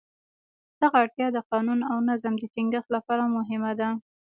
دغه اړتیا د قانون او نظم د ټینګښت لپاره مهمه ده.